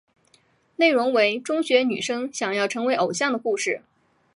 内容为中学女生想要成为偶像的故事。